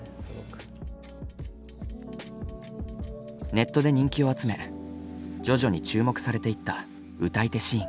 ネットで人気を集め徐々に注目されていった歌い手シーン。